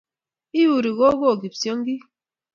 Iuri kogo kipsongik